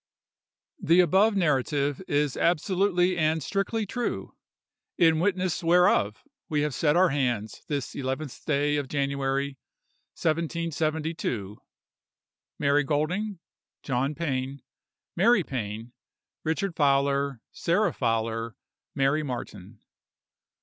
"The above narrative is absolutely and strictly true, in witness whereof we have set our hands this eleventh day of January, 1772:— "MARY GOLDING, "JOHN PAIN, "MARY PAIN, "RICHARD FOWLER, "SARAH FOWLER, "MARY MARTIN."